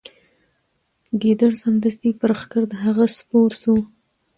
ګیدړ سمدستي پر ښکر د هغه سپور سو